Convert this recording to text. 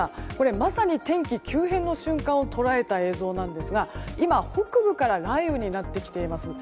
まさに天気急変の瞬間を捉えた映像なんですが今、北部から雷雨になっています。